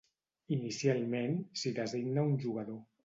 Inicialment s'hi designa un jugador.